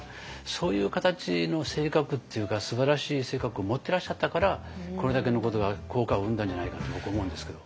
そういう形の性格っていうかすばらしい性格を持ってらっしゃったからこれだけのことが効果を生んだんじゃないかと僕思うんですけど。